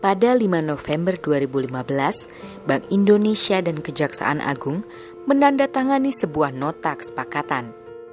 pada lima november dua ribu lima belas bank indonesia dan kejaksaan agung menandatangani sebuah nota kesepakatan